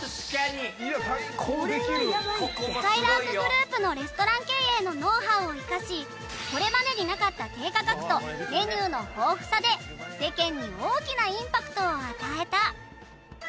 すかいらーくグループのレストラン経営のノウハウを生かしこれまでになかった低価格とメニューの豊富さで世間に大きなインパクトを与えた